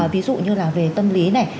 ví dụ như là về tâm lý này